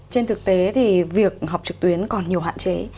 trên thực tế thì việc học trực tuyến còn nhiều hạn chế